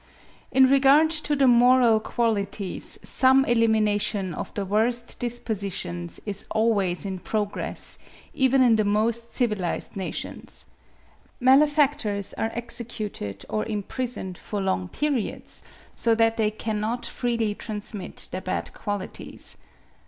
In regard to the moral qualities, some elimination of the worst dispositions is always in progress even in the most civilised nations. Malefactors are executed, or imprisoned for long periods, so that they cannot freely transmit their bad qualities.